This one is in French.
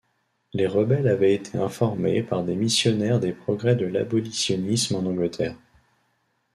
Les rebelles avaient été informés par des missionnaire des progrès de l'abolitionnisme en Angleterre.